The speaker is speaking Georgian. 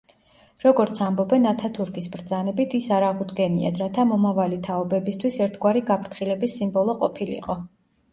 როგორც ამბობენ, ათათურქის ბრძანებით ის არ აღუდგენიათ, რათა მომავალი თაობებისთვის ერთგვარი გაფრთხილების სიმბოლო ყოფილიყო.